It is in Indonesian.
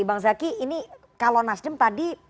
bang zaky ini kalau nasdem tadi